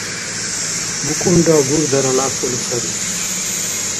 БукӀунра гурдара лябкьули саби.